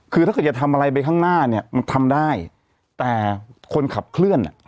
คือถ้าเกิดจะทำอะไรไปข้างหน้าเนี่ยมันทำได้แต่คนขับเคลื่อนอ่ะ